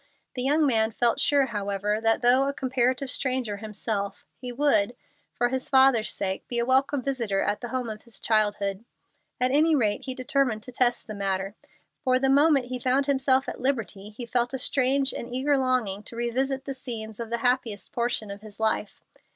The young man felt sure, however, that though a comparative stranger himself, he would, for his father's sake, be a welcome visitor at the home of his childhood. At any rate he determined to test the matter, for the moment he found himself at liberty he felt a strange and an eager longing to revisit the scenes of the happiest portion of his life.